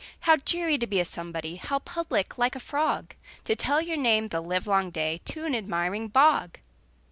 How dreary to be somebody! How public, like a frog To tell your name the livelong day To an admiring bog!